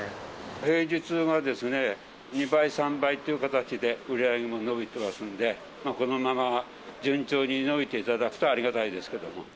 平日はですね、２倍、３倍っていう形で売り上げも伸びてますんで、このまま順調に伸びていただくとありがたいですけども。